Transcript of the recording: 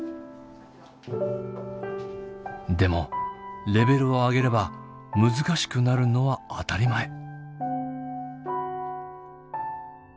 でもレベルを上げれば難しくなるのは当たり前。